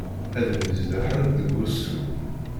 Ad myeẓḍaḥent deg ussu.